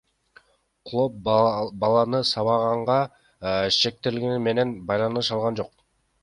Клооп баланы сабаганга шектелгендер менен байланыша алган жок.